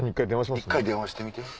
１回電話してみて。